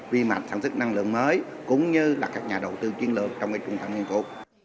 vi mạch sản xuất năng lượng mới cũng như là các nhà đầu tư chiến lược trong trung tâm nghiên cứu